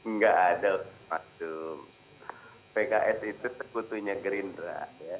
nggak ada pak dung pks itu sebutunya gerindra